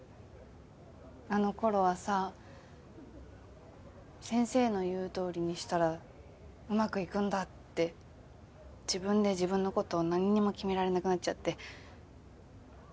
あのころはさ先生の言うとおりにしたらうまくいくんだって自分で自分のことなんにも決められなくなっちゃって。